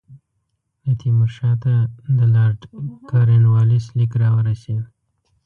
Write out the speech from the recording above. د تیمور شاه ته د لارډ کورنوالیس لیک را ورسېد.